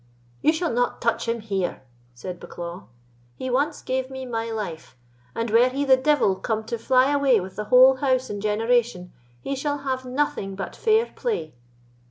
"You shall not touch him here," said Bucklaw; "he once gave me my life, and were he the devil come to fly away with the whole house and generation, he shall have nothing but fair play."